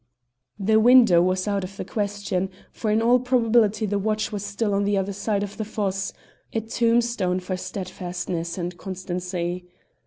The window was out of the question, for in all probability the watch was still on the other side of the fosse a tombstone for steadfastness and constancy.